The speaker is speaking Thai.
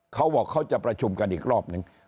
เขาบอกเขาจะประชุมกันอีกรอบนึง